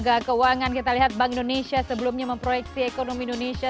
lembaga keuangan kita lihat bank indonesia sebelumnya memproyeksi ekonomi indonesia